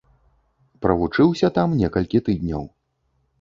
Правучыўся там некалькі тыдняў.